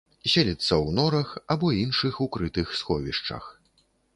Селіцца ў норах або іншых укрытых сховішчах.